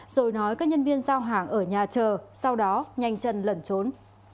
rồi nói các nhân viên giao hàng ở nhà chờ sau đó nhanh chân lẩn trốn